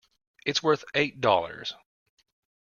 It's worth eight dollars.